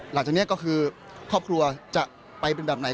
หลังจากนี้ก็คือครอบครัวจะไปเป็นแบบไหน